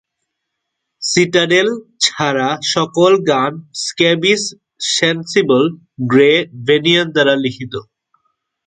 "Citadel" ছাড়া সকল গান স্ক্যাবিস, সেনসিবল, গ্রে, ভ্যানিয়ান দ্বারা লিখিত।